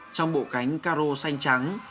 trong bộ cánh caro xanh trắng